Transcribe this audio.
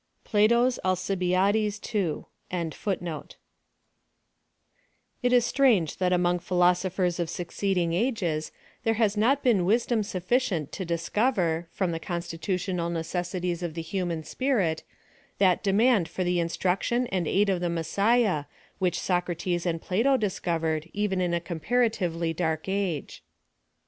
— Plaionu Jllcibiad. ix. I j 178 PHILOSOPHY OF THE i It is strange that among pilosophers of succeed ing ages there has not been wisdom snflicient to discover, from the constitutional necessities uf the liuman spirit, that demand for the instruction and aid of the Messiah, which Socrates and Plato dis covered, even in a comparatively dark age.